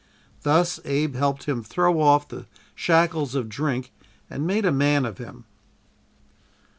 Thus Abe helped him throw off the shackles of drink and made a man of him.